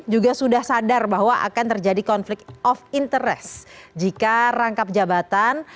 juga sudah sadar bahwa akan terjadi konflik of interest jika rangkap jabatan